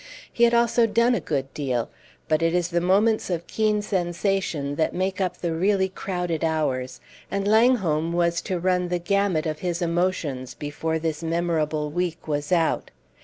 He had also done a good deal; but it is the moments of keen sensation that make up the really crowded hours, and Langholm was to run the gamut of his emotions before this memorable week was out.